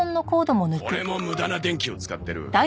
これも無駄な電気を使ってる。